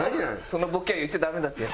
そのボケを言っちゃダメだって。